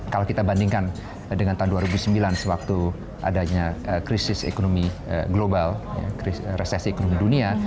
kalau kita bandingkan dengan tahun dua ribu sembilan sewaktu adanya krisis ekonomi global resesi ekonomi dunia